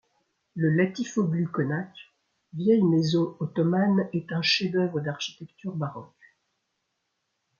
Le Latifoglu Konak, vieille maison ottomane, est un chef d'œuvre d'architecture baroque.